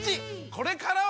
これからは！